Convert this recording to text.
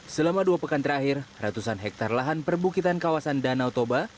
selama dua pekan terakhir ratusan hektare lahan perbukitan kawasan danau toba